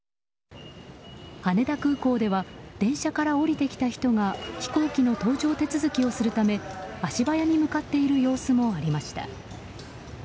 羽田空港では電車から降りてきた人が飛行機の搭乗手続きをするため足早に向かっている様子もありました。